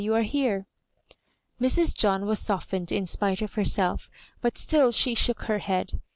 you are here." Mrs. John was softened in spite of herself; but still she shook her head.